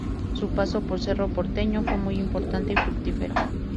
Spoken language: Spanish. Su paso por Cerro Porteño fue muy importante y fructífero.